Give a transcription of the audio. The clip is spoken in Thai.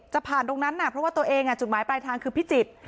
จะผ่านตรงนั้นเพราะว่าตัวเองจุดหมายปลายทางคือพิจิตร